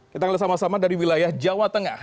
kita akan lihat sama sama dari wilayah jawa tengah